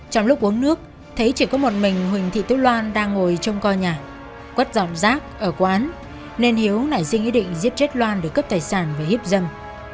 trong lúc uống nước thấy chỉ có một mình huỳnh thị tú loan đang ngồi trong co nhà quất dọn rác ở quán nên hiếu nảy sinh ý định giết chết loan để cướp tài sản và hiếp dâm